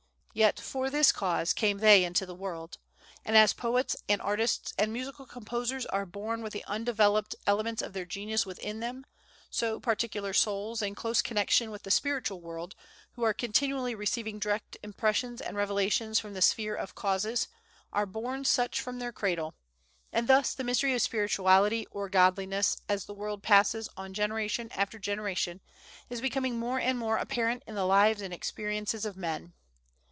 Yet "for this cause came they into the world;" and as poets, and artists, and musical composers are born with the undeveloped elements of their genius within them, so particular souls, in close connection with the spiritual world, who are continually receiving direct impressions and revelations from the sphere of causes, are born such from their cradle; and thus the mystery of spirituality or godliness, as the world passes on generation after generation, is becoming more and more apparent in the lives and experiences of men.